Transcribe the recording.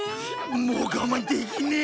もう我慢できねえ。